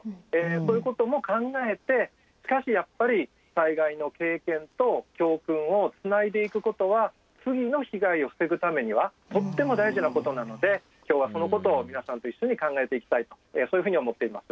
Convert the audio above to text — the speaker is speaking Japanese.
そういうことも考えてしかしやっぱり災害の経験と教訓をつないでいくことは次の被害を防ぐためにはとっても大事なことなので今日はそのことを皆さんと一緒に考えていきたいとそういうふうに思っています。